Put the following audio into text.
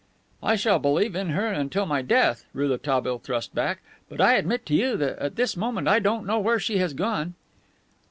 "I shall believe in her until my death," Rouletabille thrust back; "but I admit to you that at this moment I don't know where she has gone."